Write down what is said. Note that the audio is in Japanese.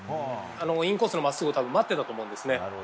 インコースの真っすぐを待ってたと思うんですね。